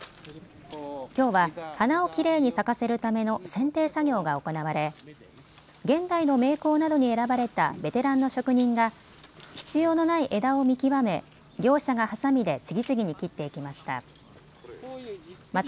きょうは花をきれいに咲かせるためのせんてい作業が行われ現代の名工などに選ばれたベテランの職人が必要のない枝を見極め業者がはさみで次々に切っていきました。